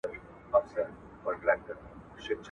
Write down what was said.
کوم فکتورونه د مطالعې د کموالي لامل ګرځي؟